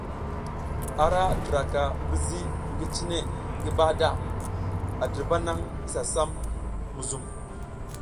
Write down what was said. A ra diraka zivi ngi cine ngi bahada, a dirba nang isa sam muzum.